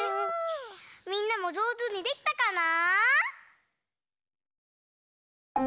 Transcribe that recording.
みんなもじょうずにできたかな？